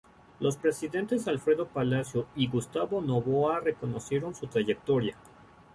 Los presidentes Alfredo Palacio y Gustavo Noboa reconocieron su trayectoria.